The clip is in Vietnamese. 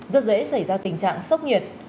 rất dễ xảy ra tình trạng sốc nhiệt